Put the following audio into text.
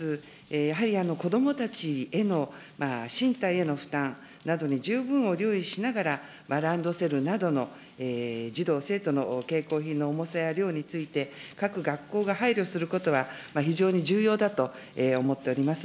やはり子どもたちへの身体への負担などに十分留意しながら、ランドセルなどの児童・生徒の携行品の重さや量について、各学校が配慮することは非常に重要だと思っております。